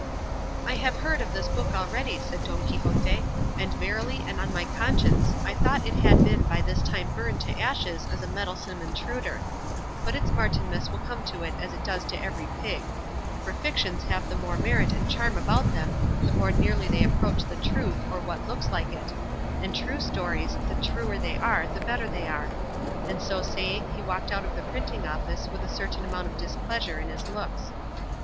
"I have heard of this book already," said Don Quixote, "and verily and on my conscience I thought it had been by this time burned to ashes as a meddlesome intruder; but its Martinmas will come to it as it does to every pig; for fictions have the more merit and charm about them the more nearly they approach the truth or what looks like it; and true stories, the truer they are the better they are;" and so saying he walked out of the printing office with a certain amount of displeasure in his looks.